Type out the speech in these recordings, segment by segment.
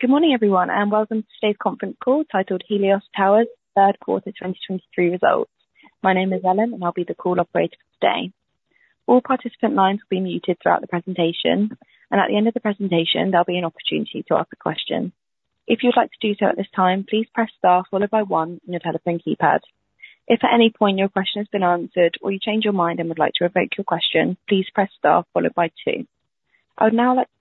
Good morning, everyone, and welcome to today's conference call titled Helios Towers Third Quarter 2023 Results. My name is Ellen, and I'll be the call operator for today. All participant lines will be muted throughout the presentation, and at the end of the presentation, there'll be an opportunity to ask a question. If you'd like to do so at this time, please press star followed by one on your telephone keypad. If at any point your question has been answered or you change your mind and would like to revoke your question, please press star followed by two. I would now like to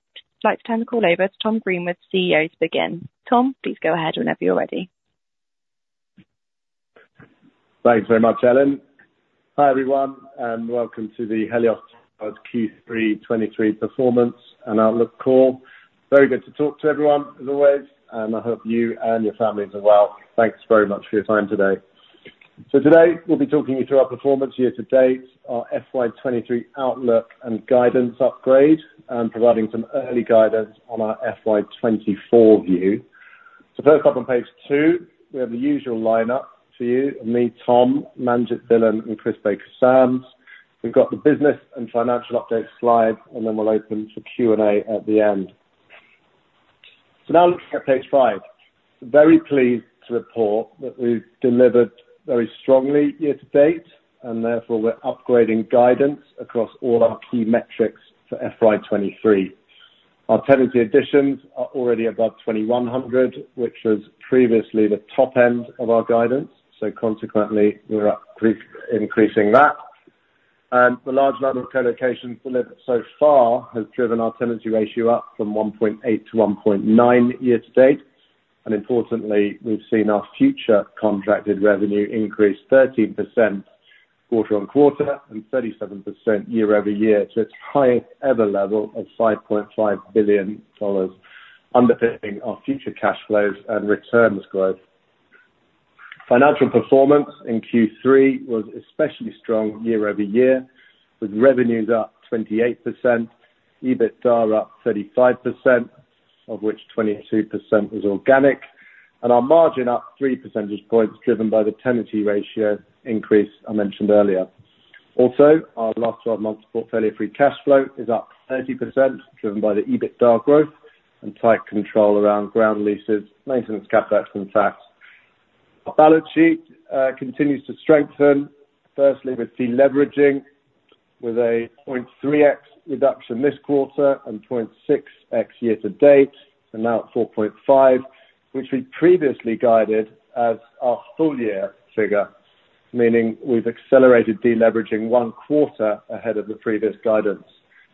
turn the call over to Tom Greenwood, CEO, to begin. Tom, please go ahead whenever you're ready. Thanks very much, Ellen. Hi, everyone, and welcome to the Helios Towers Q3 2023 performance and outlook call. Very good to talk to everyone, as always, and I hope you and your families are well. Thanks very much for your time today. So today, we'll be talking you through our performance year to date, our FY 2023 outlook and guidance upgrade, and providing some early guidance on our FY 2024 view. So first up, on page two, we have the usual lineup for you and me, Tom, Manjit Dhillon, and Chris Baker-Sams. We've got the business and financial update slide, and then we'll open for Q&A at the end. So now looking at page five. Very pleased to report that we've delivered very strongly year to date, and therefore we're upgrading guidance across all our key metrics for FY 2023. Our tenancy additions are already above 2,100, which was previously the top end of our guidance, so consequently, we're up pre-increasing that. The large level of colocation delivered so far has driven our tenancy ratio up from 1.8 to 1.9 year to date. Importantly, we've seen our future contracted revenue increase 13% quarter-on-quarter and 37% year-over-year, to its highest ever level of $5.5 billion, underpinning our future cash flows and returns growth. Financial performance in Q3 was especially strong year-over-year, with revenues up 28%, EBITDA up 35%, of which 22% was organic, and our margin up 3 percentage points, driven by the tenancy ratio increase I mentioned earlier. Also, our last twelve months portfolio free cash flow is up 30%, driven by the EBITDA growth and tight control around ground leases, maintenance, CapEx and tax. Our balance sheet continues to strengthen, firstly with deleveraging, with a 0.3x reduction this quarter and 0.6x year to date, and now at 4.5, which we previously guided as our full year figure, meaning we've accelerated deleveraging one quarter ahead of the previous guidance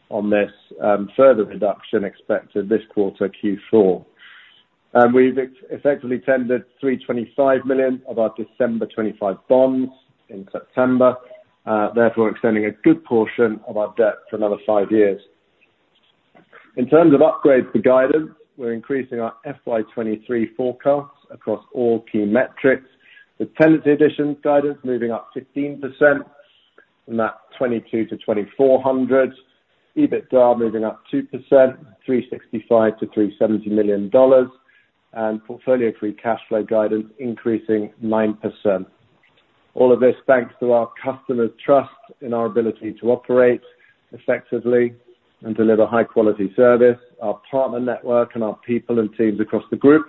on this, further reduction expected this quarter, Q4. And we've effectively tendered $325 million of our December 2025 bonds in September, therefore extending a good portion of our debt for another five years. In terms of upgrades to guidance, we're increasing our FY 2023 forecasts across all key metrics, with tenancy additions guidance moving up 15% from that 220 to 2,400. EBITDA moving up 2%, $365 million-$370 million. Portfolio free cash flow guidance increasing 9%. All of this thanks to our customers' trust in our ability to operate effectively and deliver high-quality service, our partner network, and our people and teams across the group,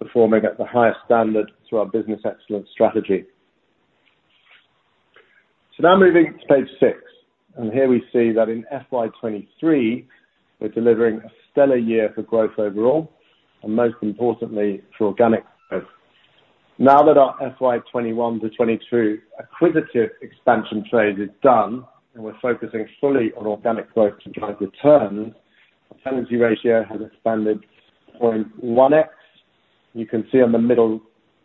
performing at the highest standard through our business excellence strategy. Now moving to page six, and here we see that in FY 2023, we're delivering a stellar year for growth overall and most importantly, for organic growth. Now that our FY 2021 to FY 2022 acquisitive expansion trade is done, and we're focusing fully on organic growth to drive returns, our tenancy ratio has expanded 0.1x. You can see on the middle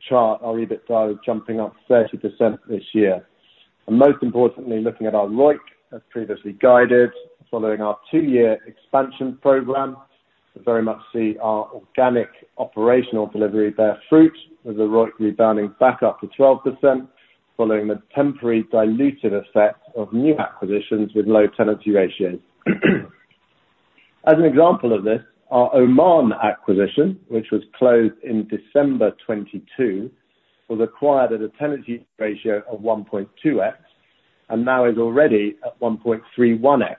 chart, our EBITDA jumping up 30% this year. Most importantly, looking at our ROIC, as previously guided, following our two-year expansion program, we very much see our organic operational delivery bear fruit, with the ROIC rebounding back up to 12%, following the temporary dilutive effect of new acquisitions with low tenancy ratios. As an example of this, our Oman acquisition, which was closed in December 2022, was acquired at a tenancy ratio of 1.2x, and now is already at 1.31x,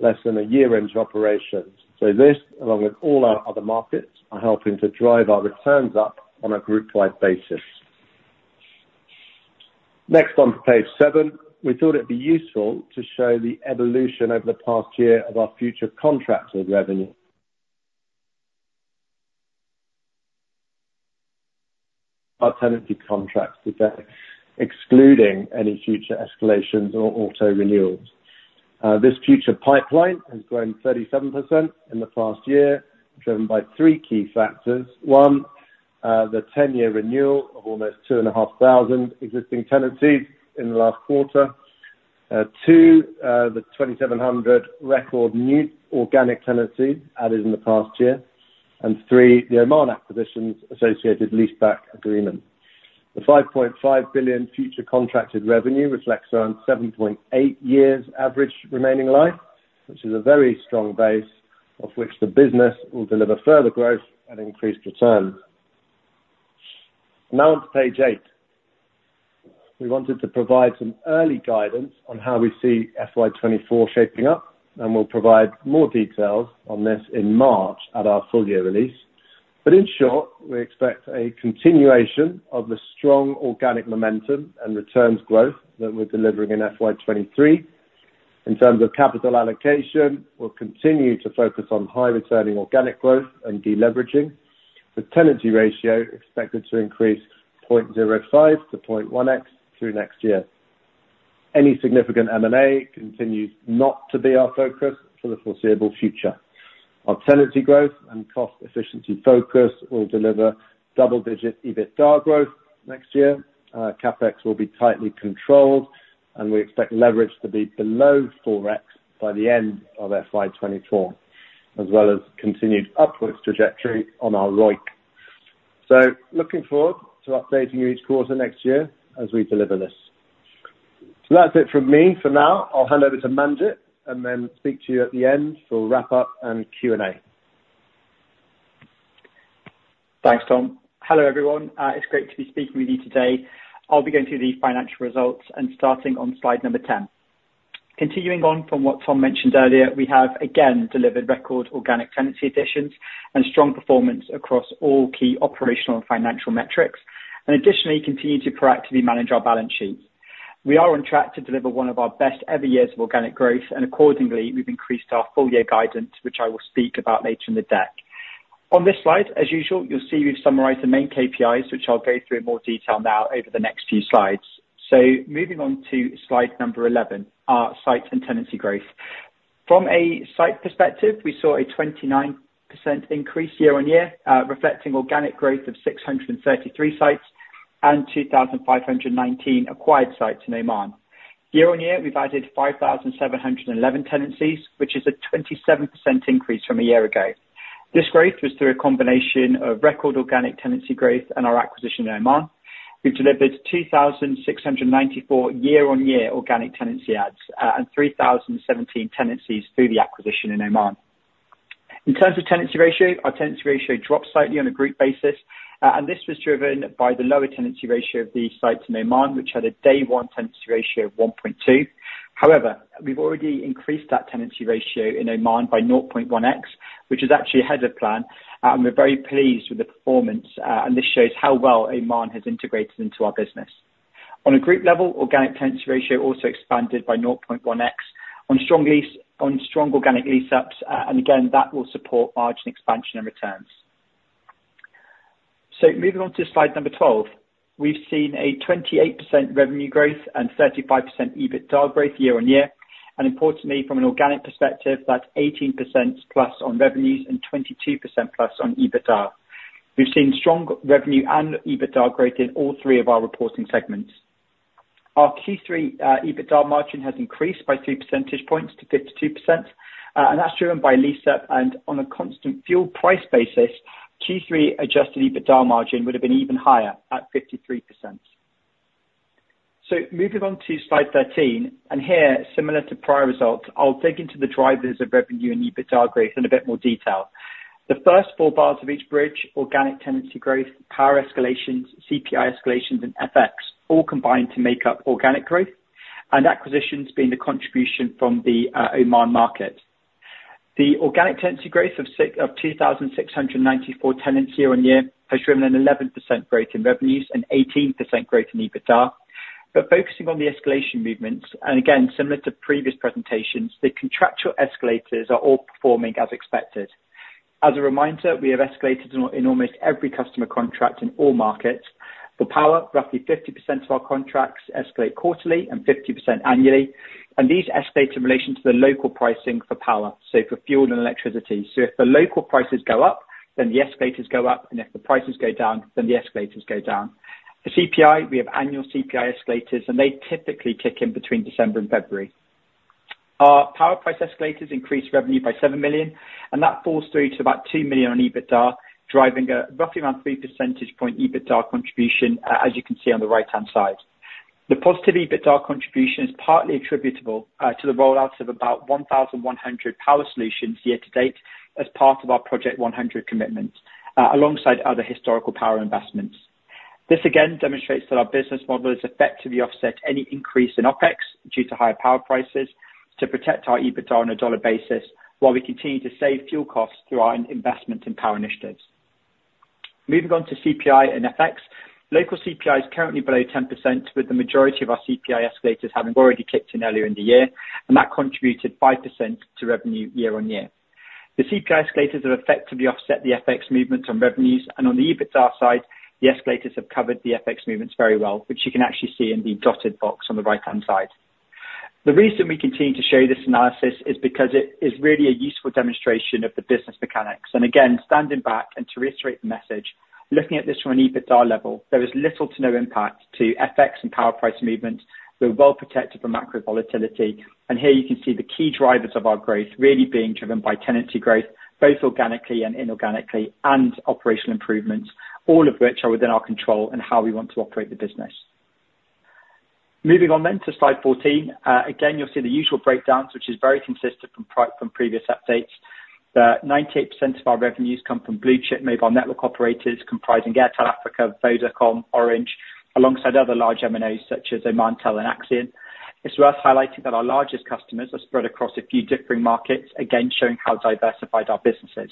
less than a year into operations. So this, along with all our other markets, are helping to drive our returns up on a group-wide basis. Next on page seven, we thought it'd be useful to show the evolution over the past year of our future contracted revenue. Our tenancy contracts effect, excluding any future escalations or auto renewals. This future pipeline has grown 37% in the past year, driven by three key factors. One, the 10-year renewal of almost 2,500 existing tenancies in the last quarter. Two, the 2,700 record new organic tenancies added in the past year. And three, the Oman acquisition's associated leaseback agreement. The $5.5 billion future contracted revenue reflects around 7.8 years average remaining life, which is a very strong base of which the business will deliver further growth and increased returns. Now on to page eight. We wanted to provide some early guidance on how we see FY 2024 shaping up, and we'll provide more details on this in March at our full year release. But in short, we expect a continuation of the strong organic momentum and returns growth that we're delivering in FY 2023. In terms of capital allocation, we'll continue to focus on high returning organic growth and deleveraging. The tenancy ratio expected to increase 0.05x to 0.1x through next year. Any significant M&A continues not to be our focus for the foreseeable future. Our tenancy growth and cost efficiency focus will deliver double-digit EBITDA growth next year. CapEx will be tightly controlled, and we expect leverage to be below 4x by the end of FY 2024, as well as continued upwards trajectory on our ROIC. So looking forward to updating you each quarter next year as we deliver this. So that's it from me for now. I'll hand over to Manjit and then speak to you at the end for wrap-up and Q&A. Thanks, Tom. Hello, everyone. It's great to be speaking with you today. I'll be going through the financial results and starting on slide number 10. Continuing on from what Tom mentioned earlier, we have again delivered record organic tenancy additions and strong performance across all key operational and financial metrics, and additionally, continue to proactively manage our balance sheet. We are on track to deliver one of our best ever years of organic growth, and accordingly, we've increased our full year guidance, which I will speak about later in the deck. On this slide, as usual, you'll see we've summarized the main KPIs, which I'll go through in more detail now over the next few slides. Moving on to slide number 11, our sites and tenancy growth. From a site perspective, we saw a 29% increase year-over-year, reflecting organic growth of 633 sites and 2,519 acquired sites in Oman. Year-over-year, we've added 5,711 tenancies, which is a 27% increase from a year ago. This growth was through a combination of record organic tenancy growth and our acquisition in Oman. We've delivered 2,694 year-over-year organic tenancy adds and 3,017 tenancies through the acquisition in Oman. In terms of tenancy ratio, our tenancy ratio dropped slightly on a group basis, and this was driven by the lower tenancy ratio of the sites in Oman, which had a day one tenancy ratio of 1.2. However, we've already increased that tenancy ratio in Oman by 0.1x, which is actually ahead of plan, and we're very pleased with the performance, and this shows how well Oman has integrated into our business. On a group level, organic tenancy ratio also expanded by 0.1x on strong lease, on strong organic lease-ups, and again, that will support margin expansion and returns. So moving on to slide 12. We've seen a 28% revenue growth and 35% EBITDA growth year-on-year, and importantly, from an organic perspective, that's 18%+ on revenues and 22%+ on EBITDA. We've seen strong revenue and EBITDA growth in all three of our reporting segments. Our Q3 EBITDA margin has increased by 3 percentage points to 52%, and that's driven by lease-up. On a constant fuel price basis, Q3 adjusted EBITDA margin would have been even higher at 53%. So moving on to slide 13, and here, similar to prior results, I'll dig into the drivers of revenue and EBITDA growth in a bit more detail. The first four bars of each bridge, organic tenancy growth, power escalations, CPI escalations, and FX, all combined to make up organic growth, and acquisitions being the contribution from the Oman market. The organic tenancy growth of 2,694 tenants year-over-year has driven an 11% growth in revenues and 18% growth in EBITDA. But focusing on the escalation movements, and again, similar to previous presentations, the contractual escalators are all performing as expected. As a reminder, we have escalated in almost every customer contract in all markets. For power, roughly 50% of our contracts escalate quarterly and 50% annually, and these escalate in relation to the local pricing for power, so for fuel and electricity. So if the local prices go up, then the escalators go up, and if the prices go down, then the escalators go down. For CPI, we have annual CPI escalators, and they typically kick in between December and February. Our power price escalators increased revenue by $7 million, and that falls through to about $2 million on EBITDA, driving a roughly around 3 percentage point EBITDA contribution, as you can see on the right-hand side. The positive EBITDA contribution is partly attributable to the rollout of about 1,100 power solutions year to date as part of our Project 100 commitment, alongside other historical power investments. This again demonstrates that our business model has effectively offset any increase in OpEx due to higher power prices to protect our EBITDA on a dollar basis, while we continue to save fuel costs through our investment in power initiatives. Moving on to CPI and FX. Local CPI is currently below 10%, with the majority of our CPI escalators having already kicked in earlier in the year, and that contributed 5% to revenue year-on-year. The CPI escalators have effectively offset the FX movements on revenues, and on the EBITDA side, the escalators have covered the FX movements very well, which you can actually see in the dotted box on the right-hand side. The reason we continue to show you this analysis is because it is really a useful demonstration of the business mechanics. And again, standing back and to reiterate the message, looking at this from an EBITDA level, there is little to no impact to FX and power price movements. We're well protected from macro volatility, and here you can see the key drivers of our growth really being driven by tenancy growth, both organically and inorganically, and operational improvements, all of which are within our control and how we want to operate the business. Moving on then to slide 14. Again, you'll see the usual breakdowns, which is very consistent from from previous updates, that 98% of our revenues come from blue-chip mobile network operators, comprising Airtel Africa, Vodacom, Orange, alongside other large MNOs such as Omantel and Axian. It's worth highlighting that our largest customers are spread across a few differing markets, again, showing how diversified our business is.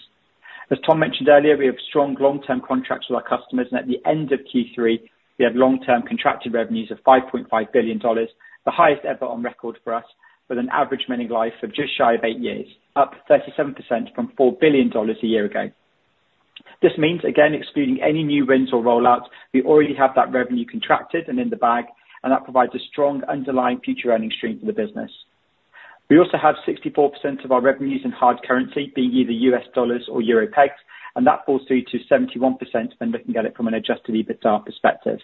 As Tom mentioned earlier, we have strong long-term contracts with our customers, and at the end of Q3, we had long-term contracted revenues of $5.5 billion, the highest ever on record for us, with an average remaining life of just shy of 8 years, up 37% from $4 billion a year ago. This means, again, excluding any new wins or rollouts, we already have that revenue contracted and in the bag, and that provides a strong underlying future earning stream for the business. We also have 64% of our revenues in hard currency, being either US dollars or euro pegged, and that falls through to 71% when looking at it from an adjusted EBITDA perspective.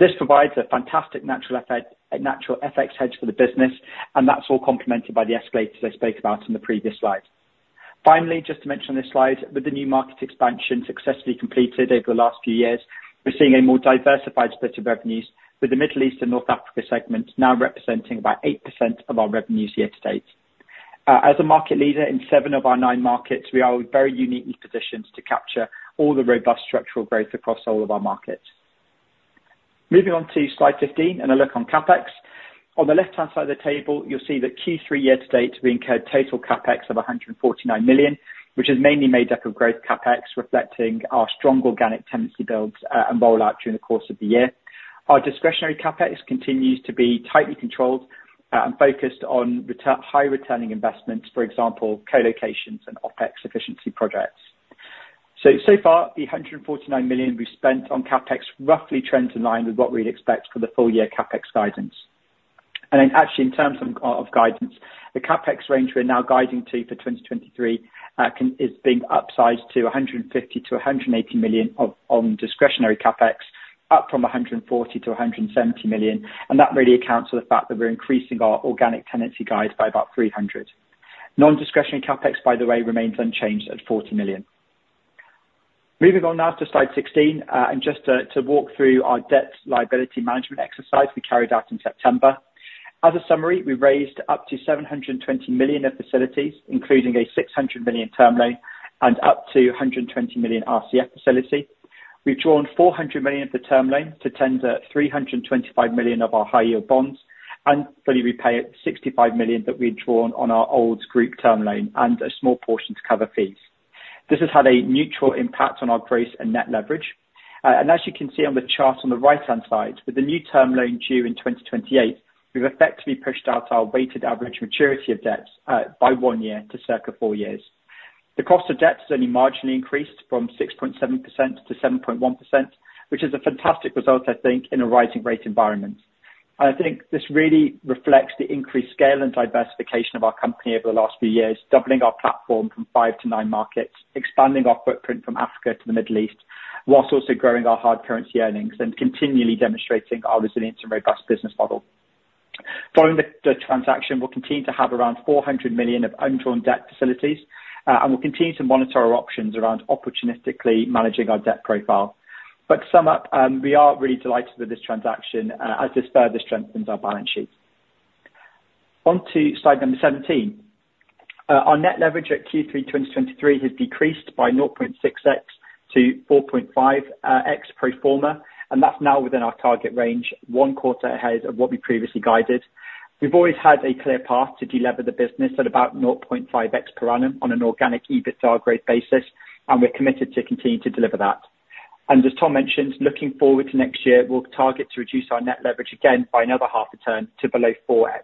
This provides a fantastic natural effect, a natural FX hedge for the business, and that's all complemented by the escalators I spoke about in the previous slide. Finally, just to mention on this slide, with the new market expansion successfully completed over the last few years, we're seeing a more diversified split of revenues, with the Middle East and North Africa segment now representing about 8% of our revenues year to date. As a market leader in seven of our nine markets, we are very uniquely positioned to capture all the robust structural growth across all of our markets. Moving on to slide 15 and a look on CapEx. On the left-hand side of the table, you'll see that Q3 year to date, we incurred total CapEx of $149 million, which is mainly made up of growth CapEx, reflecting our strong organic tenancy builds, and rollout during the course of the year. Our discretionary CapEx continues to be tightly controlled and focused on high returning investments, for example, colocations and OpEx efficiency projects. So far, the $149 million we've spent on CapEx roughly trends in line with what we'd expect for the full year CapEx guidance. And then actually, in terms of guidance, the CapEx range we're now guiding to for 2023 is being upsized to $150 million-$180 million on discretionary CapEx, up from $140 million-$170 million, and that really accounts for the fact that we're increasing our organic tenancy guide by about 300. Non-discretionary CapEx, by the way, remains unchanged at $40 million. Moving on now to slide 16, and just to walk through our debt liability management exercise we carried out in September. As a summary, we raised up to $720 million of facilities, including a $600 million term loan and up to a $120 million RCF facility. We've drawn $400 million of the term loan to tender $325 million of our high yield bonds, and fully repay $65 million that we'd drawn on our old group term loan and a small portion to cover fees. This has had a neutral impact on our gross and net leverage, and as you can see on the chart on the right-hand side, with the new term loan due in 2028, we've effectively pushed out our weighted average maturity of debts by one year to circa four years. The cost of debt only marginally increased from 6.7% to 7.1%, which is a fantastic result, I think, in a rising rate environment. I think this really reflects the increased scale and diversification of our company over the last few years, doubling our platform from five to nine markets, expanding our footprint from Africa to the Middle East, whilst also growing our hard currency earnings and continually demonstrating our resilient and robust business model. Following the transaction, we'll continue to have around $400 million of undrawn debt facilities, and we'll continue to monitor our options around opportunistically managing our debt profile. To sum up, we are really delighted with this transaction, as this further strengthens our balance sheet. On to slide number 17. Our net leverage at Q3 2023 has decreased by 0.6x to 4.5x pro forma, and that's now within our target range, one quarter ahead of what we previously guided. We've always had a clear path to deliver the business at about 0.5x per annum on an organic EBITDA growth basis, and we're committed to continue to deliver that. And as Tom mentioned, looking forward to next year, we'll target to reduce our net leverage again by another half a turn to below 4x.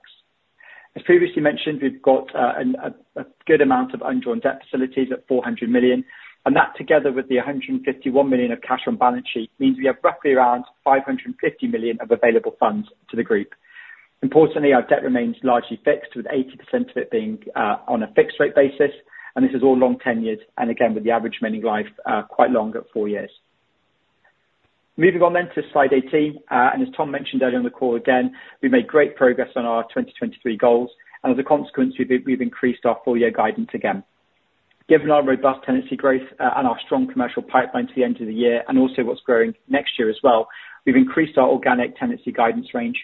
As previously mentioned, we've got a good amount of undrawn debt facilities at $400 million, and that, together with the $151 million of cash on balance sheet, means we have roughly around $550 million of available funds to the group. Importantly, our debt remains largely fixed, with 80% of it being on a fixed rate basis, and this is all long tenured, and again, with the average remaining life quite long, at four years. Moving on then to slide 18, and as Tom mentioned earlier in the call, again, we made great progress on our 2023 goals, and as a consequence, we've, we've increased our full year guidance again. Given our robust tenancy growth, and our strong commercial pipeline to the end of the year, and also what's growing next year as well, we've increased our organic tenancy guidance range.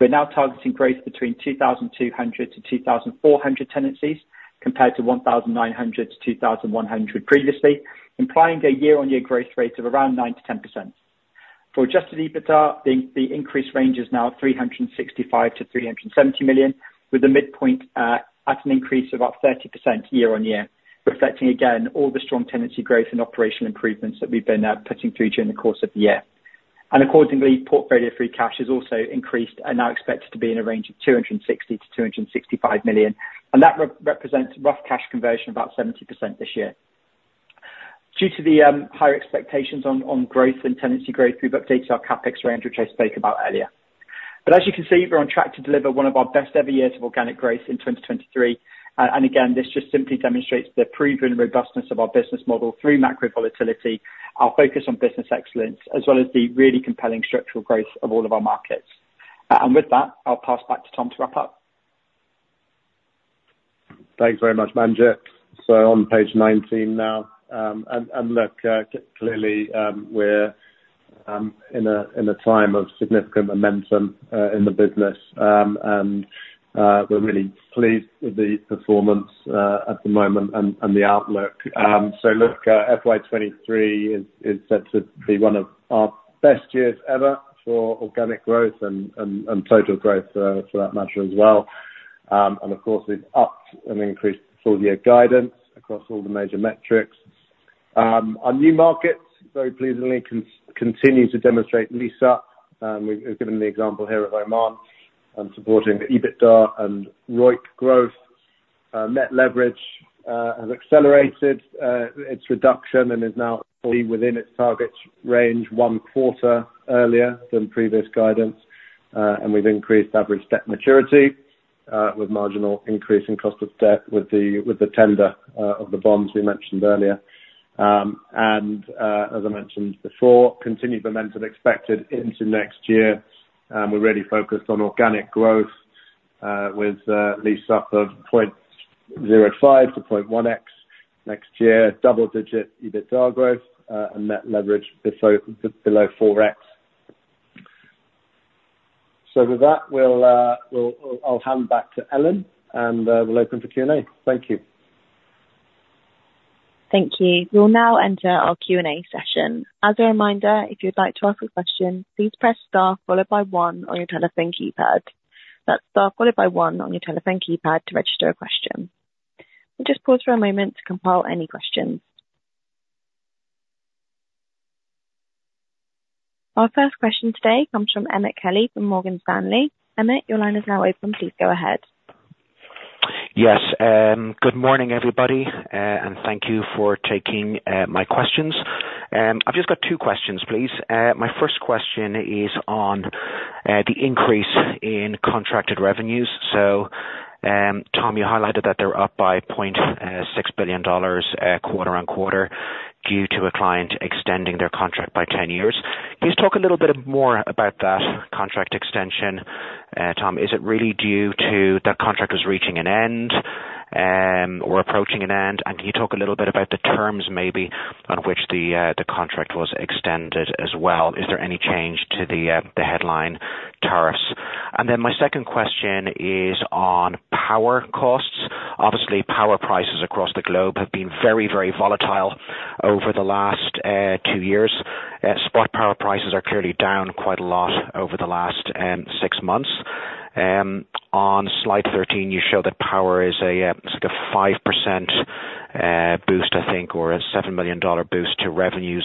We're now targeting growth between 2,200-2,400 tenancies, compared to 1,900-2,100 previously, implying a year-on-year growth rate of around 9%-10%. For adjusted EBITDA, the increased range is now $365 million-$370 million, with the midpoint at an increase of about 30% year-on-year, reflecting again all the strong tenancy growth and operational improvements that we've been putting through during the course of the year. Accordingly, portfolio free cash has also increased and now expected to be in a range of $260 million-$265 million, and that represents rough cash conversion, about 70% this year. Due to the higher expectations on growth and tenancy growth, we've updated our CapEx range, which I spoke about earlier. But as you can see, we're on track to deliver one of our best ever years of organic growth in 2023. And again, this just simply demonstrates the proven robustness of our business model through macro volatility, our focus on business excellence, as well as the really compelling structural growth of all of our markets. And with that, I'll pass back to Tom to wrap up. Thanks very much, Manjit. So on page 19 now, and look, clearly, we're in a time of significant momentum in the business. And we're really pleased with the performance at the moment and the outlook. So look, FY 2023 is set to be one of our best years ever for organic growth and total growth, for that matter as well. And of course, we've upped and increased full year guidance across all the major metrics. Our new markets, very pleasingly, continue to demonstrate lease-up. We've given the example here of Oman and supporting EBITDA and ROIC growth. Net leverage has accelerated its reduction and is now fully within its target range, one quarter earlier than previous guidance. And we've increased average debt maturity with marginal increase in cost of debt with the tender of the bonds we mentioned earlier. As I mentioned before, continued momentum expected into next year, and we're really focused on organic growth with lease up of 0.05x to 0.1x next year, double digit EBITDA growth, and net leverage below 4x. So with that, we'll, I'll hand back to Ellen, and we'll open for Q&A. Thank you. Thank you. We'll now enter our Q&A session. As a reminder, if you'd like to ask a question, please press star followed by one on your telephone keypad. That's star followed by one on your telephone keypad to register a question. We'll just pause for a moment to compile any questions. Our first question today comes from Emmet Kelly from Morgan Stanley. Emmet, your line is now open. Please go ahead. Yes, good morning, everybody, and thank you for taking my questions. I've just got two questions, please. My first question is on the increase in contracted revenues. So, Tom, you highlighted that they're up by $0.6 billion, quarter-on-quarter, due to a client extending their contract by 10 years. Please talk a little bit more about that contract extension, Tom. Is it really due to that contract was reaching an end, or approaching an end? And can you talk a little bit about the terms maybe, on which the contract was extended as well? Is there any change to the headline tariffs? And then my second question is on power costs. Obviously, power prices across the globe have been very, very volatile over the last two years. Spot power prices are clearly down quite a lot over the last six months. On slide 13, you show that power is a like a 5% boost, I think, or a $7 million boost to revenues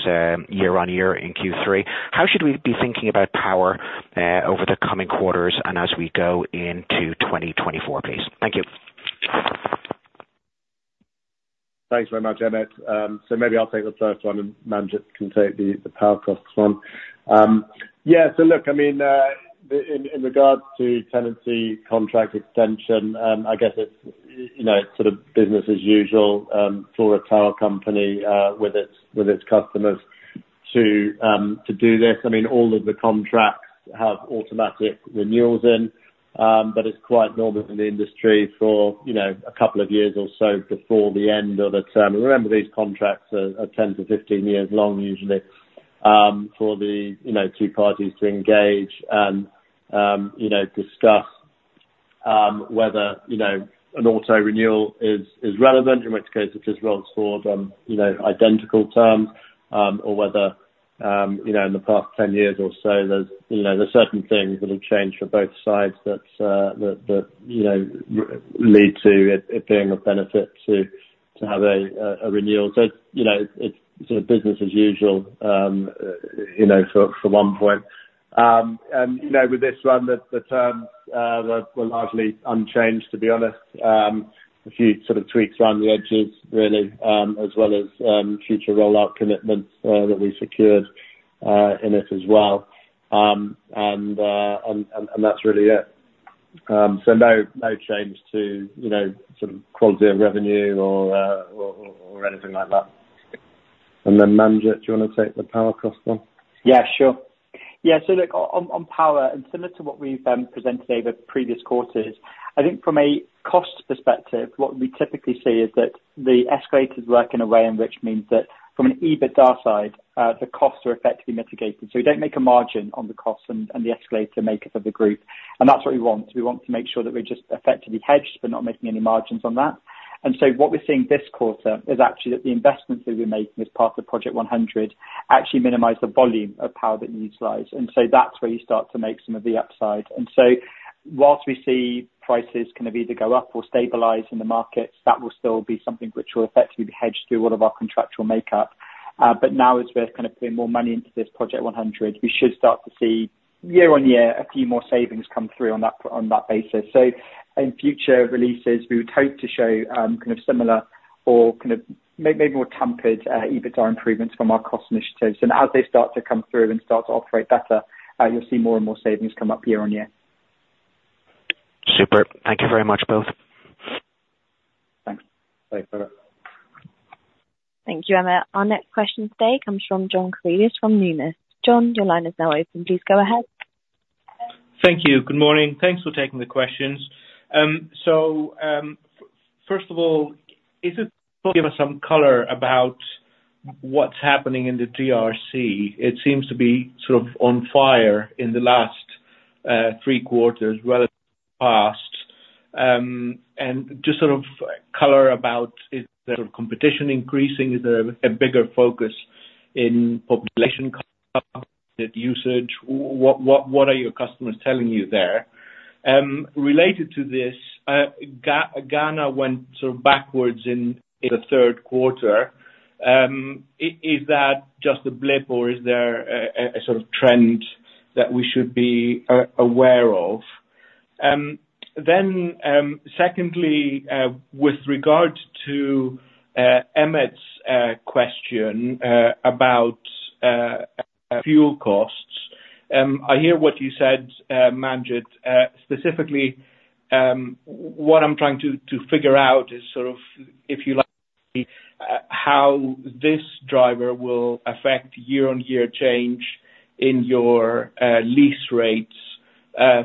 year-on-year in Q3. How should we be thinking about power over the coming quarters and as we go into 2024, please? Thank you. Thanks very much, Emmet. So maybe I'll take the first one, and Manjit can take the, the power costs one. Yeah, so look, I mean, in regards to tenancy contract extension, I guess it's, you know, sort of business as usual, for a tower company, with its customers to do this. I mean, all of the contracts have automatic renewals in, but it's quite normal in the industry for, you know, a couple of years or so before the end of the term. Remember, these contracts are 10-15 years long usually, for the, you know, two parties to engage and, you know, discuss, whether, you know, an auto renewal is relevant, in which case it just rolls forward on, you know, identical terms. Or whether, you know, in the past 10 years or so, there's, you know, certain things that have changed for both sides that, you know, lead to it being a benefit to have a renewal. So, you know, it's sort of business as usual, you know, for one point. And, you know, with this one, the terms were largely unchanged, to be honest. A few sort of tweaks around the edges really, as well as future rollout commitments that we secured in it as well. And that's really it. So no change to, you know, sort of quality of revenue or anything like that. And then Manjit, do you wanna take the power cost one? Yeah, sure. Yeah, so look, on power, and similar to what we've presented over previous quarters, I think from a cost perspective, what we typically see is that the escalators work in a way in which means that from an EBITDA side, the costs are effectively mitigated, so we don't make a margin on the costs and the escalator makeup of the group. And that's what we want. We want to make sure that we're just effectively hedged, but not making any margins on that. And so what we're seeing this quarter is actually that the investments that we're making as part of Project 100, actually minimize the volume of power that we utilize. And so that's where you start to make some of the upside. So, while we see prices kind of either go up or stabilize in the markets, that will still be something which will effectively be hedged through all of our contractual makeup. But now as we're kind of putting more money into this Project 100, we should start to see, year on year, a few more savings come through on that, on that basis. So in future releases, we would hope to show, kind of similar or kind of maybe more tempered, EBITDA improvements from our cost initiatives. And as they start to come through and start to operate better, you'll see more and more savings come up year on year. Super. Thank you very much, both. Thanks. Thanks, Emmet. Thank you, Emmet. Our next question today comes from John Karidis from Numis. John, your line is now open. Please go ahead. Thank you. Good morning. Thanks for taking the questions. First of all, give us some color about what's happening in the DRC. It seems to be sort of on fire in the last three quarters relative to the past. And just sort of color about, is there competition increasing? Is there a bigger focus in population usage? What are your customers telling you there? Related to this, Ghana went sort of backwards in the third quarter. Is that just a blip, or is there a sort of trend that we should be aware of? Secondly, with regard to Emmet's question about fuel costs, I hear what you said, Manjit. Specifically, what I'm trying to figure out is sort of, if you like, how this driver will affect year-on-year change in your lease rates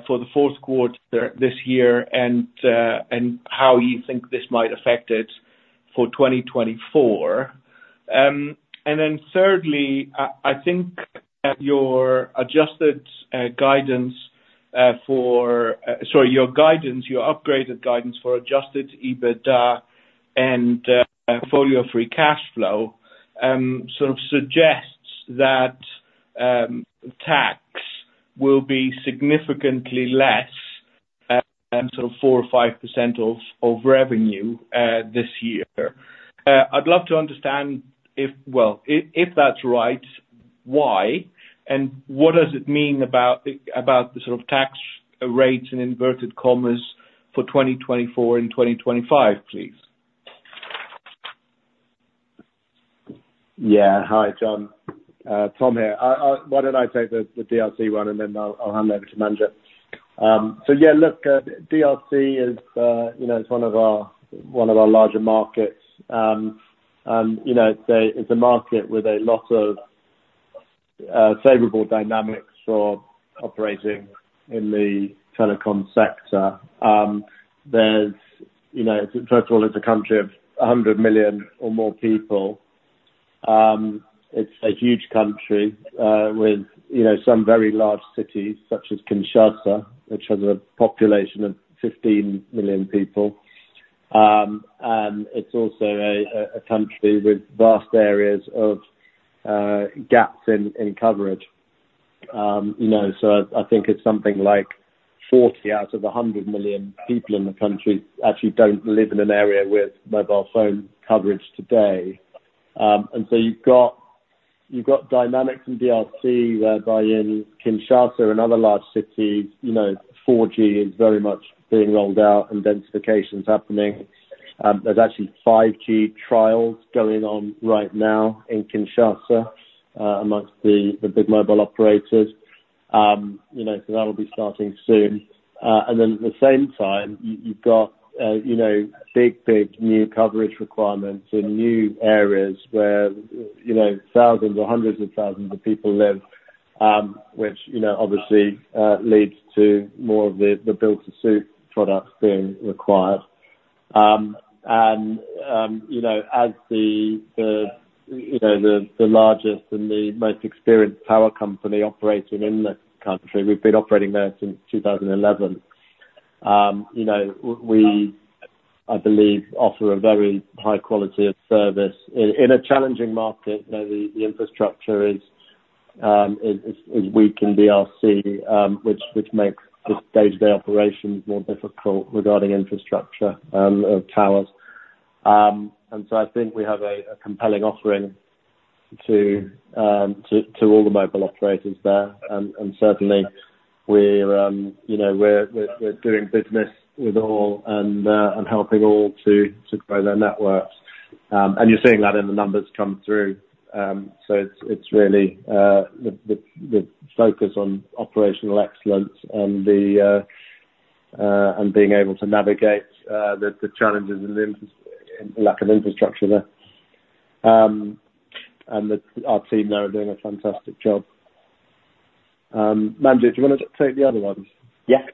for the fourth quarter this year, and how you think this might affect it for 2024. And then thirdly, I think that your adjusted guidance, sorry, your guidance, your upgraded guidance for adjusted EBITDA and portfolio free cash flow sort of suggests that tax will be significantly less, sort of 4%-5% of revenue this year. I'd love to understand if, well, if that's right, why, and what does it mean about the sort of tax rates, in inverted commas, for 2024 and 2025, please? Yeah. Hi, John. Tom here. Why don't I take the DRC one, and then I'll hand over to Manjit. So yeah, look, DRC is, you know, it's one of our larger markets. And, you know, it's a market with a lot of favorable dynamics for operating in the telecom sector. There's, you know, first of all, it's a country of 100 million or more people. It's a huge country, with, you know, some very large cities, such as Kinshasa, which has a population of 15 million people. And it's also a country with vast areas of gaps in coverage. You know, so I think it's something like 40 out of 100 million people in the country actually don't live in an area with mobile phone coverage today. And so you've got, you've got dynamics in DRC, whereby in Kinshasa and other large cities, you know, 4G is very much being rolled out, and densification's happening. There's actually 5G trials going on right now in Kinshasa, amongst the, the big mobile operators. You know, so that will be starting soon. And then at the same time, you, you've got, you know, big, big new coverage requirements in new areas where, you know, thousands or hundreds of thousands of people live, which, you know, obviously, leads to more of the, the built-to-suit products being required. And, you know, as the largest and the most experienced tower company operating in the country, we've been operating there since 2011. You know, we, I believe, offer a very high quality of service in a challenging market, where the infrastructure is weak in DRC, which makes the day-to-day operations more difficult regarding infrastructure of towers. And so I think we have a compelling offering to all the mobile operators there. And certainly we're, you know, we're doing business with all and helping all to grow their networks. And you're seeing that in the numbers come through. So it's really the focus on operational excellence and being able to navigate the challenges and lack of infrastructure there. And our team there are doing a fantastic job. Manjit, do you wanna take the other ones? Yeah,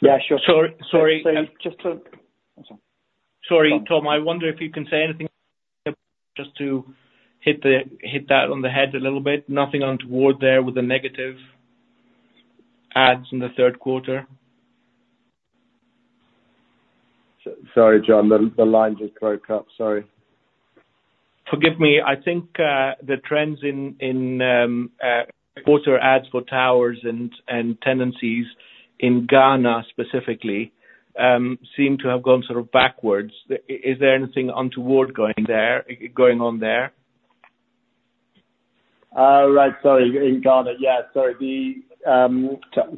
sure. Sorry, sorry, just to- I'm sorry. Sorry, Tom, I wonder if you can say anything just to hit that on the head a little bit. Nothing untoward there with the negative ads in the third quarter. Sorry, John, the line just broke up. Sorry. Forgive me. I think the trends in quarter adds for towers and tenancies in Ghana specifically seem to have gone sort of backwards. Is there anything untoward going on there? Right, sorry, in Ghana. Yeah, sorry.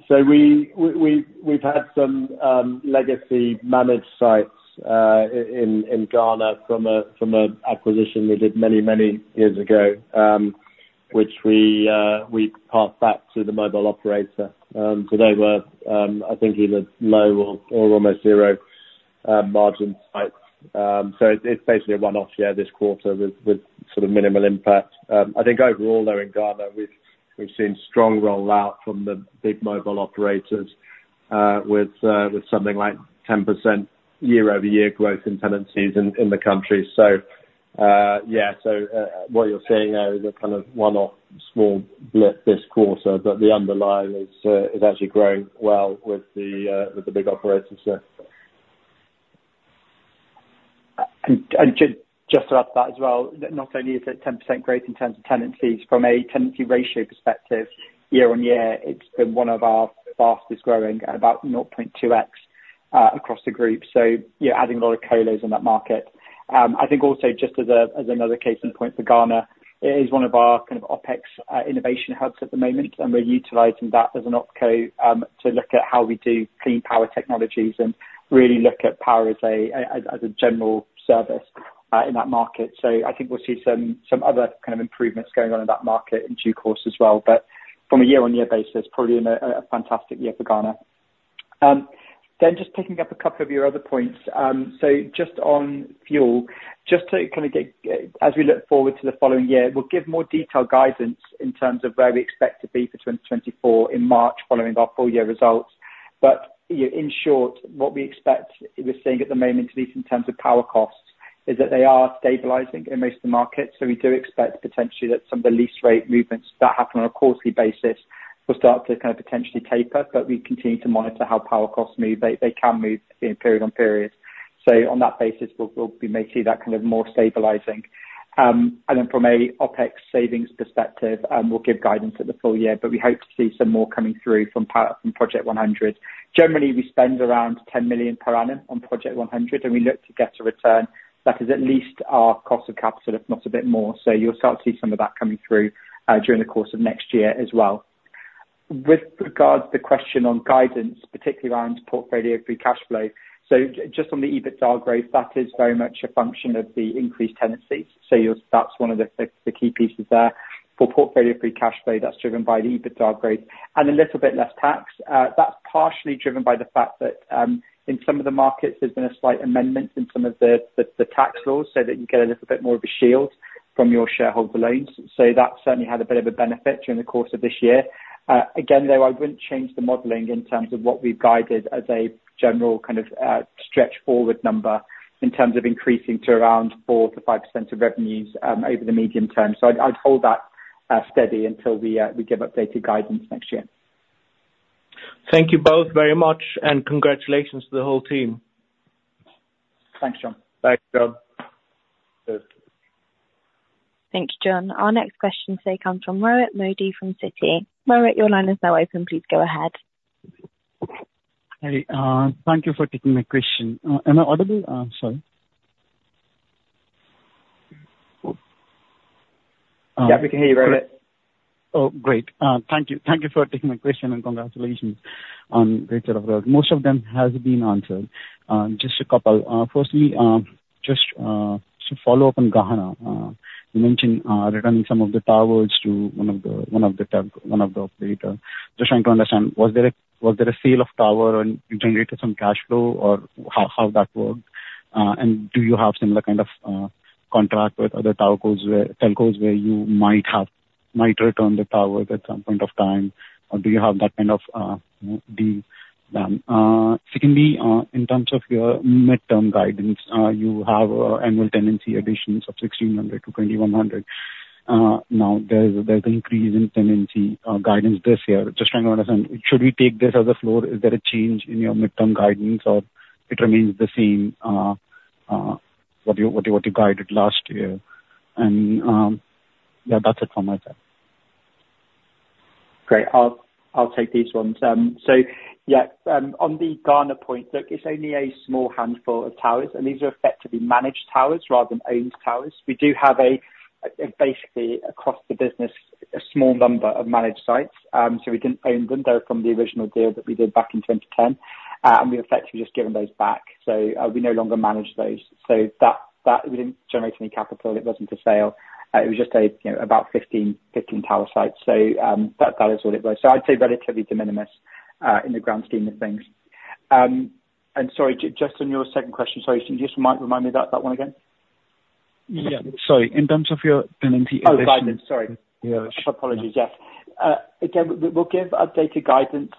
So we've had some legacy managed sites in Ghana from an acquisition we did many, many years ago, which we passed back to the mobile operator. So they were, I think, either low or almost zero margin sites. So it's basically a one-off, yeah, this quarter with sort of minimal impact. I think overall, though, in Ghana, we've seen strong rollout from the big mobile operators, with something like 10% year-over-year growth in tenancies in the country. So, yeah, so what you're seeing there is a kind of one-off small blip this quarter, but the underlying is actually growing well with the big operators there. And just to add to that as well, not only is it 10% growth in terms of tenancies, from a tenancy ratio perspective, year-on-year, it's been one of our fastest growing at about 0.2x across the group. So you're adding a lot of colos in that market. I think also just as another case in point for Ghana, it is one of our kind of OpEx innovation hubs at the moment, and we're utilizing that as an OpCo to look at how we do clean power technologies and really look at power as a general service in that market. So I think we'll see some other kind of improvements going on in that market in due course as well. But from a year-on-year basis, probably a fantastic year for Ghana. Then just picking up a couple of your other points. So just on fuel, just to kind of get, as we look forward to the following year, we'll give more detailed guidance in terms of where we expect to be for 2024 in March, following our full year results. But, you know, in short, what we expect, we're seeing at the moment, at least in terms of power costs, is that they are stabilizing in most of the markets. So we do expect potentially that some of the lease rate movements that happen on a quarterly basis will start to kind of potentially taper, but we continue to monitor how power costs move. They can move in period-on-period. So on that basis, we may see that kind of more stabilizing. And then from an OpEx savings perspective, we'll give guidance at the full year, but we hope to see some more coming through from Project 100. Generally, we spend around $10 million per annum on Project 100, and we look to get a return that is at least our cost of capital, if not a bit more. So you'll start to see some of that coming through during the course of next year as well. With regards to the question on guidance, particularly around portfolio free cash flow, so just on the EBITDA growth, that is very much a function of the increased tenancies. So that's one of the, the, the key pieces there. For portfolio free cash flow, that's driven by the EBITDA growth and a little bit less tax. That's partially driven by the fact that in some of the markets, there's been a slight amendment in some of the tax laws, so that you get a little bit more of a shield from your shareholder loans. So that certainly had a bit of a benefit during the course of this year. Again, though, I wouldn't change the modeling in terms of what we've guided as a general kind of stretch forward number, in terms of increasing to around 4%-5% of revenues over the medium term. So I'd hold that steady until we give updated guidance next year. Thank you both very much, and congratulations to the whole team. Thanks, John. Thanks, John. Thank you, John. Our next question today comes from Rohit Modi, from Citi. Rohit, your line is now open. Please go ahead. Hey, thank you for taking my question. Am I audible? Sorry. Yeah, we can hear you, Rohit. Oh, great. Thank you. Thank you for taking my question, and congratulations on greater results. Most of them has been answered, just a couple. Firstly, just to follow up on Ghana. You mentioned returning some of the towers to one of the operator. Just trying to understand, was there a sale of tower and you generated some cash flow, or how that worked? Do you have similar kind of contract with other towercos where telcos where you might have might return the towers at some point of time, or do you have that kind of deal done? Secondly, in terms of your midterm guidance, you have annual tenancy additions of 1,600-2,100. Now, there's increase in tenancy guidance this year. Just trying to understand, should we take this as a floor? Is there a change in your midterm guidance, or it remains the same, what you guided last year? Yeah, that's it from my side. Great. I'll take these ones. So yeah, on the Ghana point, look, it's only a small handful of towers, and these are effectively managed towers rather than owned towers. We do have basically, across the business, a small number of managed sites. So we didn't own them, though, from the original deal that we did back in 2010, and we effectively just given those back. So, we no longer manage those. So that we didn't generate any capital. It wasn't for sale. It was just, you know, about 15, 15 tower sites. So, that is all it was. So I'd say relatively de minimis in the grand scheme of things. And sorry, just on your second question, sorry, can you just remind me that one again? Yeah. Sorry. In terms of your tenancy Oh, guidance, sorry. Yeah. Apologies, yes. Again, we will give updated guidance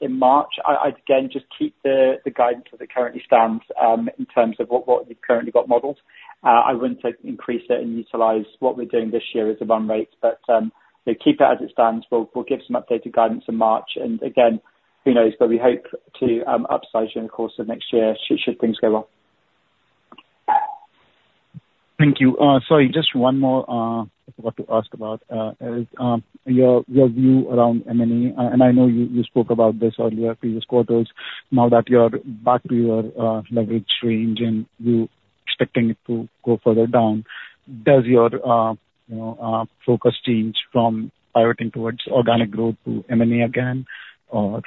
in March. I'd again just keep the guidance as it currently stands, in terms of what you've currently got modeled. I wouldn't increase it and utilize what we're doing this year as the run rate. But we keep it as it stands. We'll give some updated guidance in March, and again, who knows? But we hope to upsize during the course of next year, should things go well. Thank you. Sorry, just one more, I forgot to ask about, is your view around M&A, and I know you spoke about this earlier, previous quarters. Now that you're back to your leverage range and you expecting it to go further down, does your focus change from pivoting towards organic growth to M&A again? Or,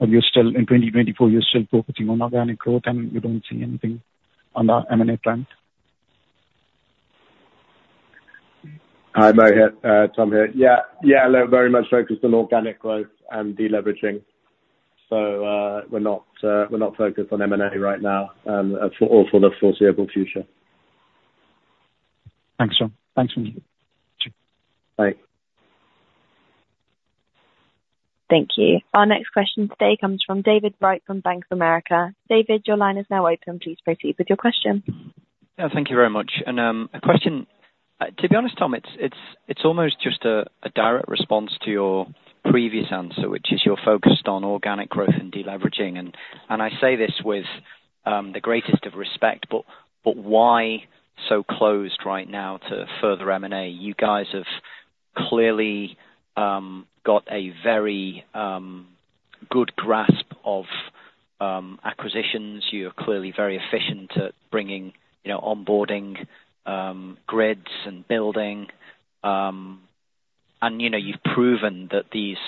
are you still, in 2024, you're still focusing on organic growth, and you don't see anything on that M&A plan? Hi, Rohit, Tom here. Yeah, yeah, look, very much focused on organic growth and deleveraging. So, we're not focused on M&A right now, for the foreseeable future. Thanks, Tom. Thanks very much. Bye. Thank you. Our next question today comes from David Wright from Bank of America. David, your line is now open. Please proceed with your question. Thank you very much. A question, to be honest, Tom, it's almost just a direct response to your previous answer, which is you're focused on organic growth and deleveraging. I say this with the greatest of respect, but why so closed right now to further M&A? You guys have clearly got a very good grasp of acquisitions. You are clearly very efficient at bringing, you know, onboarding grids and building. And, you know, you've proven that these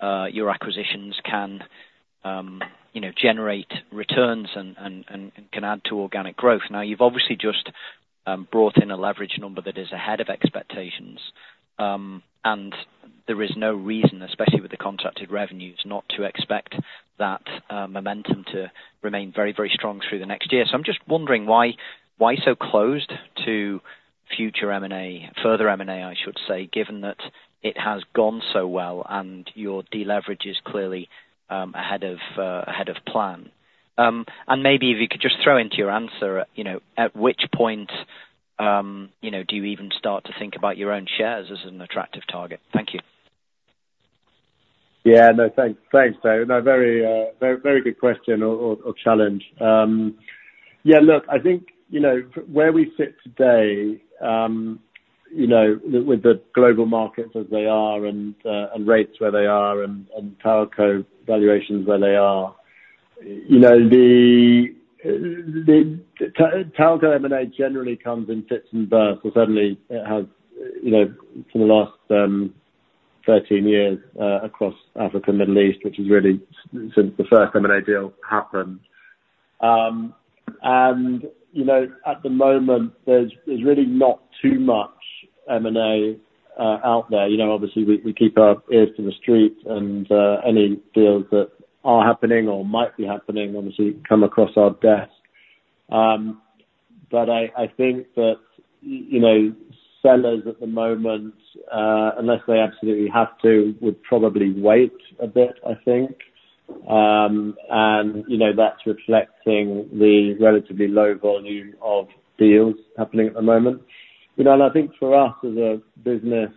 your acquisitions can, you know, generate returns and can add to organic growth. Now, you've obviously just brought in a leverage number that is ahead of expectations, and there is no reason, especially with the contracted revenues, not to expect that momentum to remain very, very strong through the next year. So I'm just wondering why, why so closed to future M&A, further M&A, I should say, given that it has gone so well and your deleverage is clearly ahead of ahead of plan? And maybe if you could just throw into your answer, you know, at which point, you know, do you even start to think about your own shares as an attractive target? Thank you. Yeah. No, thanks. Thanks, David. No, very, very, very good question or challenge. Yeah, look, I think, you know, where we sit today, you know, with the global markets as they are and rates where they are and telco valuations where they are, you know, the telco M&A generally comes in fits and bursts, or certainly it has, you know, for the last 13 years across Africa and the Middle East, which is really since the first M&A deal happened. And, you know, at the moment, there's really not too much M&A out there. You know, obviously we keep our ears to the street, and any deals that are happening or might be happening, obviously come across our desk. But I think that, you know, sellers at the moment, unless they absolutely have to, would probably wait a bit, I think. And, you know, that's reflecting the relatively low volume of deals happening at the moment. You know, and I think for us as a business,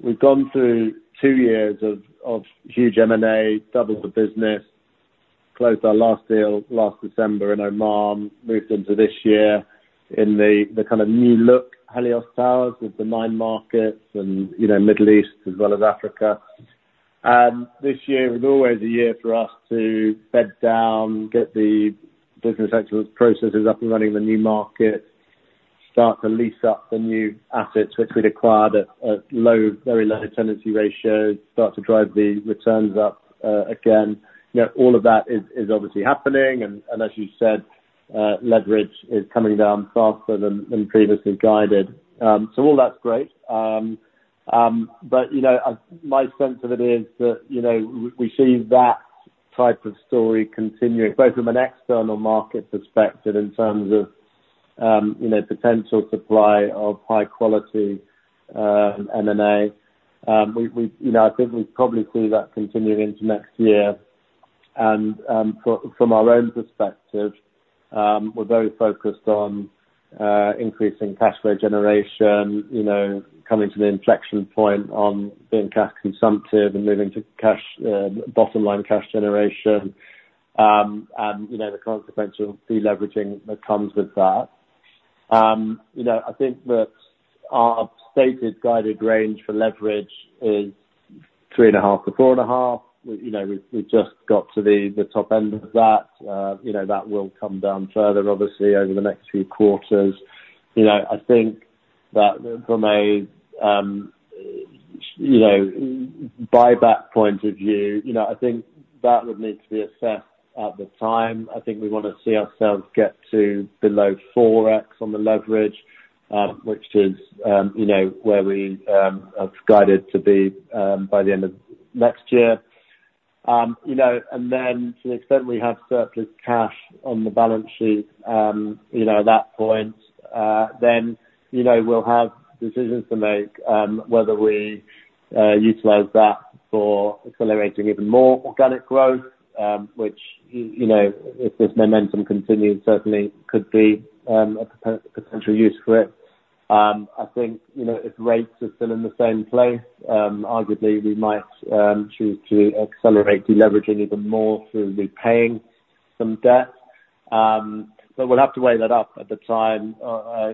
we've gone through two years of huge M&A, doubled the business, closed our last deal last December in Oman, moved into this year in the kind of new look Helios Towers, with the nine markets and, you know, Middle East as well as Africa. And this year is always a year for us to bed down, get the business actual processes up and running in the new markets, start to lease up the new assets which we'd acquired at low, very low tenancy ratios, start to drive the returns up, again. You know, all of that is obviously happening, and as you said, leverage is coming down faster than previously guided. So all that's great. But, you know, my sense of it is that, you know, we see that type of story continuing, both from an external market perspective in terms of, you know, potential supply of high quality M&A. We, you know, I think we'd probably see that continuing into next year, and from our own perspective, we're very focused on increasing cash flow generation, you know, coming to the inflection point on being cash consumptive and moving to cash bottom line cash generation, and, you know, the consequential deleveraging that comes with that. You know, I think that our stated guided range for leverage is 3.5-4.5. You know, we've just got to the top end of that. You know, that will come down further, obviously, over the next few quarters. You know, I think that from a, you know, buyback point of view, you know, I think that would need to be assessed at the time. I think we wanna see ourselves get to below 4x on the leverage, which is, you know, where we have guided to be, by the end of next year. You know, and then to the extent we have surplus cash on the balance sheet, you know, at that point, then, you know, we'll have decisions to make, whether we utilize that for accelerating even more organic growth, which, you know, if this momentum continues, certainly could be a potential use for it. I think, you know, if rates are still in the same place, arguably we might choose to accelerate deleveraging even more through repaying some debt. But we'll have to weigh that up at the time,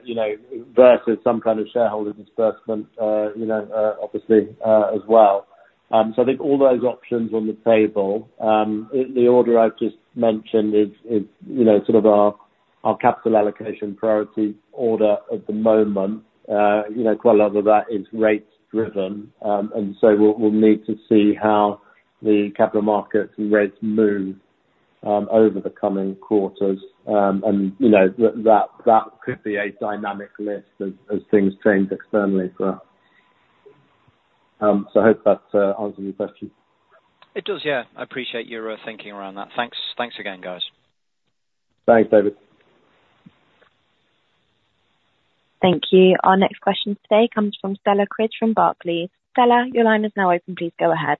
you know, versus some kind of shareholder disbursement, you know, obviously, as well. So I think all those options on the table, the order I've just mentioned is, you know, sort of our capital allocation priority order at the moment. You know, quite a lot of that is rate driven. And so we'll need to see how the capital markets rates move over the coming quarters. And, you know, that could be a dynamic list as things change externally for us. So I hope that answers your question. It does, yeah. I appreciate your thinking around that. Thanks. Thanks again, guys. Thanks, David. Thank you. Our next question today comes from Stella Cridge from Barclays. Stella, your line is now open. Please go ahead.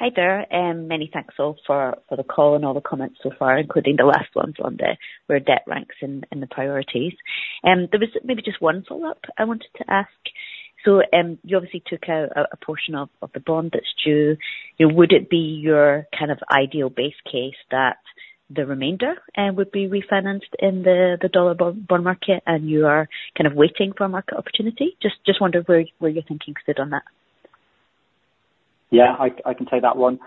Hi there, and many thanks all for the call and all the comments so far, including the last ones on where debt ranks in the priorities. There was maybe just one follow-up I wanted to ask. So, you obviously took out a portion of the bond that's due. You know, would it be your kind of ideal base case that the remainder would be refinanced in the dollar bond market, and you are kind of waiting for a market opportunity? Just wonder where your thinking sit on that. Yeah, I can take that one.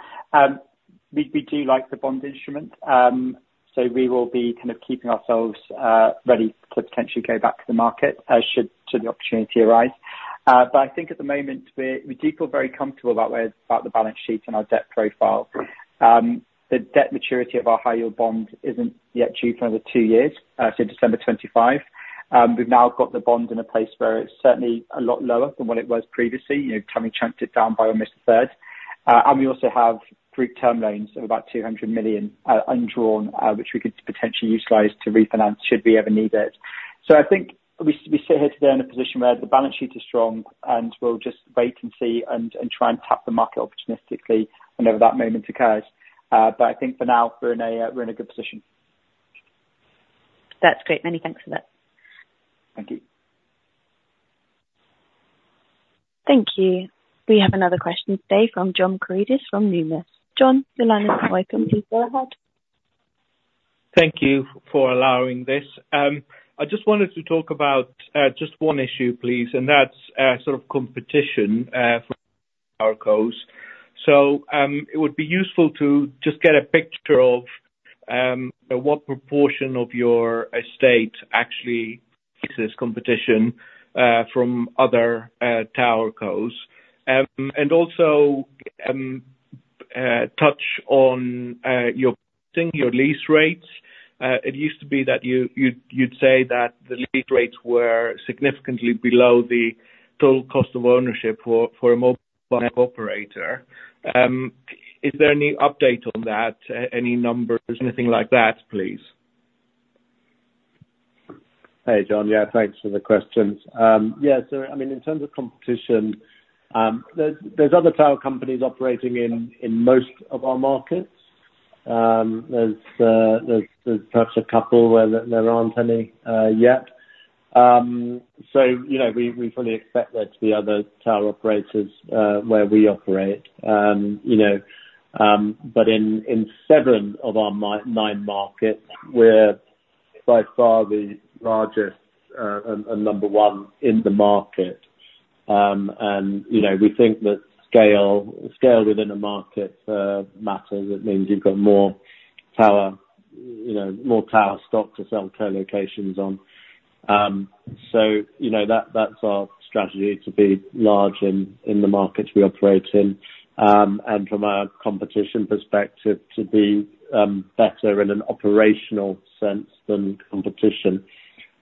We do like the bond instrument. So we will be kind of keeping ourselves ready to potentially go back to the market, should the opportunity arise. But I think at the moment we're we do feel very comfortable about where, about the balance sheet and our debt profile. The debt maturity of our high yield bond isn't yet due for another two years, so December 2025. We've now got the bond in a place where it's certainly a lot lower than what it was previously, you know, having chunked it down by almost a third. And we also have group term loans of about $200 million, undrawn, which we could potentially utilize to refinance should we ever need it. So I think we sit here today in a position where the balance sheet is strong, and we'll just wait and see, and try and tap the market opportunistically whenever that moment occurs. But I think for now, we're in a good position. That's great. Many thanks for that. Thank you. Thank you. We have another question today from John Karidis from Numis. John, your line is now open. Please go ahead. Thank you for allowing this. I just wanted to talk about just one issue, please, and that's sort of competition. So, it would be useful to just get a picture of what proportion of your estate actually faces competition from other towercos. And also touch on your lease rates. It used to be that you'd say that the lease rates were significantly below the total cost of ownership for a mobile operator. Is there any update on that? Any numbers, anything like that, please? Hey, John. Yeah, thanks for the questions. Yeah, so I mean, in terms of competition, there's other tower companies operating in most of our markets. There's perhaps a couple where there aren't any yet. So, you know, we fully expect there to be other tower operators where we operate. You know, but in seven of our nine markets, we're by far the largest and number one in the market. And, you know, we think that scale within a market matters. It means you've got more tower stock to sell co-locations on. So, you know, that's our strategy, to be large in the markets we operate in. From a competition perspective, to be better in an operational sense than competition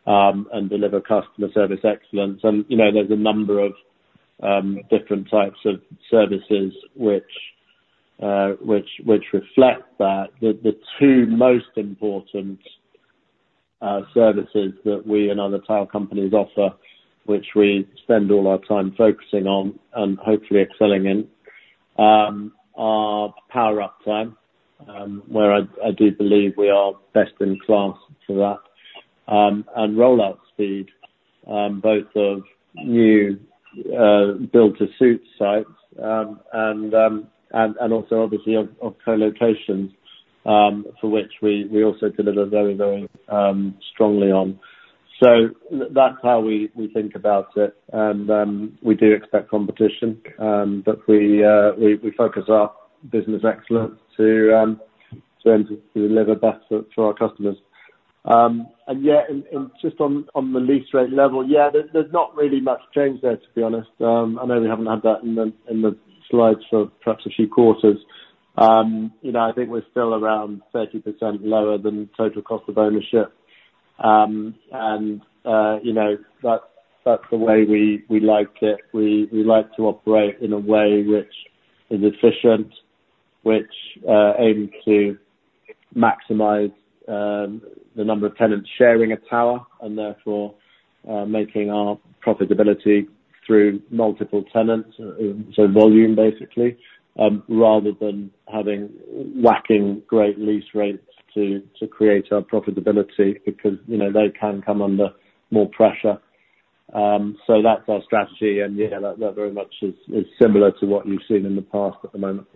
and deliver customer service excellence. You know, there's a number of different types of services which reflect that. The two most important services that we and other tower companies offer, which we spend all our time focusing on and hopefully excelling in, are power uptime, where I do believe we are best-in-class for that, and rollout speed, both of new build-to-suit sites and also obviously of co-locations, for which we also deliver very, very strongly on. That's how we think about it, and we do expect competition, but we focus our business excellence to deliver best for our customers. And just on the lease rate level, there isn't really much change there to be honest. I know we haven't had that in the slides for perhaps a few quarters. You know, I think we're still around 30% lower than total cost of ownership. And you know, that's the way we like it. We like to operate in a way which is efficient, which aims to maximize the number of tenants sharing a tower, and therefore making our profitability through multiple tenants, so volume basically, rather than having whacking great lease rates to create our profitability, because you know, they can come under more pressure. So that's our strategy, and yeah, that very much is similar to what you've seen in the past at the moment.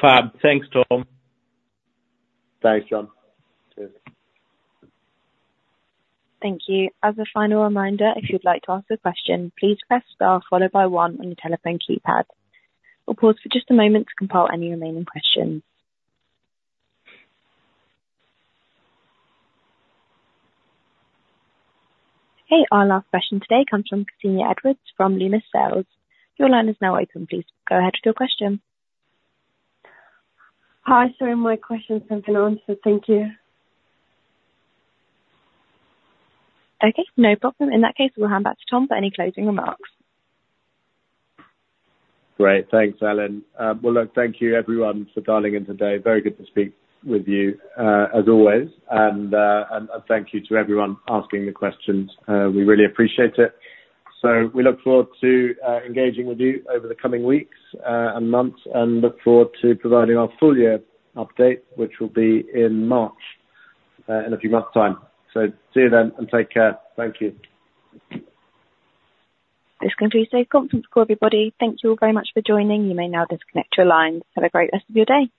Fab. Thanks, Tom. Thanks, John. Thank you. As a final reminder, if you'd like to ask a question, please press star followed by one on your telephone keypad. We'll pause for just a moment to compile any remaining questions. Hey, our last question today comes from Ksenia Edwards from Loomis Sayles. Your line is now open. Please go ahead with your question. Hi, sorry, my question has been answered. Thank you. Okay, no problem. In that case, we'll hand back to Tom for any closing remarks. Great. Thanks, Ellen. Well, look, thank you everyone for dialing in today. Very good to speak with you, as always. And thank you to everyone asking the questions. We really appreciate it. So we look forward to engaging with you over the coming weeks and months, and look forward to providing our full year update, which will be in March, in a few months' time. So see you then, and take care. Thank you. This concludes the conference call, everybody. Thank you all very much for joining. You may now disconnect your lines. Have a great rest of your day.